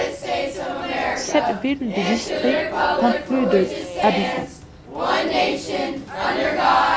Sept villes du district comptent plus de habitants.